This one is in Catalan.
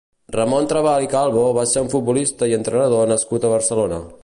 Ramon Trabal i Calvo va ser un futbolista i entrenador nascut a Barcelona.